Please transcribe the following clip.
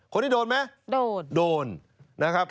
คนนี้โดนไหมคะโดน